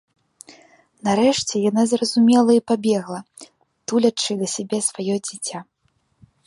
Нарэшце яна зразумела і пабегла, тулячы да сябе сваё дзіця.